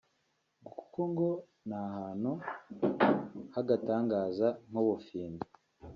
kuko ngo ni ahantu h’agatangaza nk’ubufindo